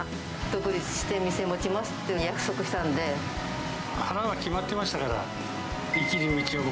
独立して店持ちますっていうのを腹は決まっていましたから。